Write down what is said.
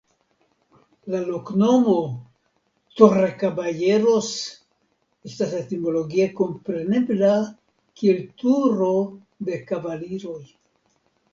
La loknomo "Torrecaballeros" estas etimologie komprenebla kiel Turo de Kavaliroj.